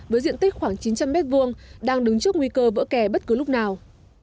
với diện tích khoảng chín trăm linh m hai đang đứng trước nguy cơ vỡ kè bất cứ lúc nào